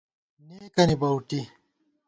نېکَنی بَؤٹی